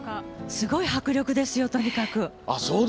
すごい迫力ですよとにかく。